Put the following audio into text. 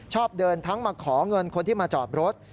ชอบเดินทั้งมาขอเงินคนที่มาจอดรถ